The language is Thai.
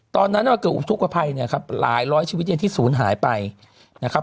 ตอนนั้นเกิดอุทธกภัยเนี่ยครับหลายร้อยชีวิตที่ศูนย์หายไปนะครับ